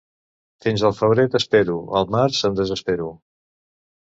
Fins al febrer t'espero; al març em desespero.